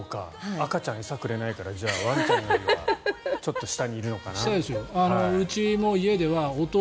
赤ちゃんは餌をくれないからワンちゃんよりはちょっと下にいるのかな。